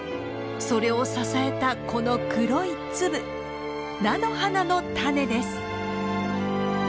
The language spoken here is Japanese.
それを支えたこの黒い粒菜の花のタネです。